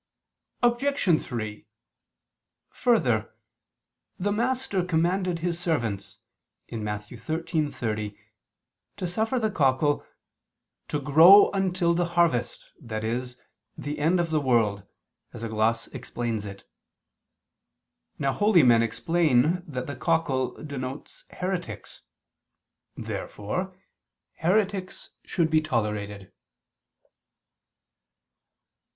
Obj. 3: Further, the Master commanded his servants (Matt. 13:30) to suffer the cockle "to grow until the harvest," i.e. the end of the world, as a gloss explains it. Now holy men explain that the cockle denotes heretics. Therefore heretics should be tolerated.